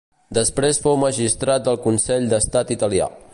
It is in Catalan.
Després fou magistrat del Consell d'Estat Italià.